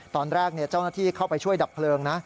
ตอนแรกเจ้าหน้าที่เข้าไปช่วยดับเพลิงนะ